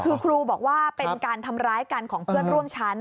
คือครูบอกว่าเป็นการทำร้ายกันของเพื่อนร่วมชั้น